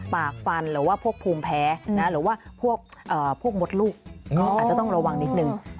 ฟันหรือว่าพวกภูมิแพ้หรือว่าพวกมดลูกอาจจะต้องระวังนิดนึง